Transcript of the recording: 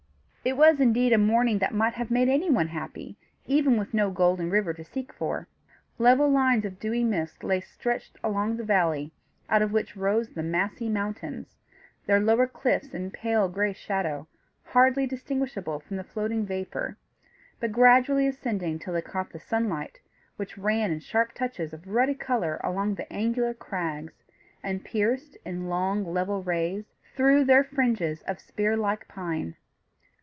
It was, indeed, a morning that might have made anyone happy, even with no Golden River to seek for. Level lines of dewy mist lay stretched along the valley, out of which rose the massy mountains their lower cliffs in pale gray shadow, hardly distinguishable from the floating vapour, but gradually ascending till they caught the sunlight, which ran in sharp touches of ruddy colour along the angular crags, and pierced, in long level rays, through their fringes of spear like pine.